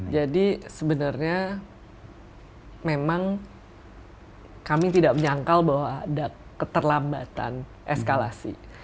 jadi sebenarnya memang kami tidak menyangkal bahwa ada keterlambatan eskalasi